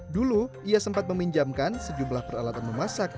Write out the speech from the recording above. dulu ia sempat meminjamkan sejumlah peralatan memasak